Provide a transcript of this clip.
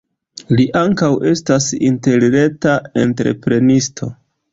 Li ankaŭ estas interreta entreprenisto.